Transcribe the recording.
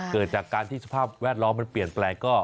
เกิดจากการที่สภาพแวดล้อมมันเปลี่ยนแปลงก็